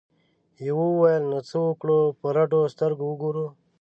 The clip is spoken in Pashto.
یوه وویل نو څه وکړو په رډو سترګو وګورو؟